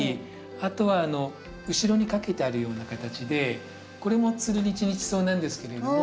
あとは後ろに掛けてあるような形でこれもツルニチニチソウなんですけれども。